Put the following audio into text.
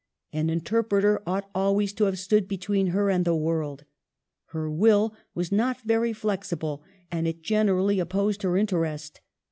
An interpreter ought al ways to have stood between her and the world. Her will was not very flexible and it generally opposed her interest.